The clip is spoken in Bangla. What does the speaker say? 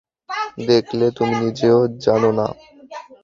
দেখলে, তুমি নিজেও জানো না!